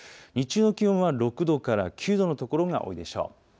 日中の気温は６度から９度の所が多いでしょう。